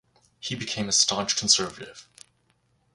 He became a staunch conservative.